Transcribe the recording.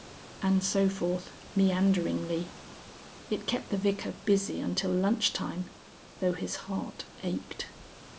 _" And so forth meanderingly. It kept the Vicar busy until lunch time, though his heart ached.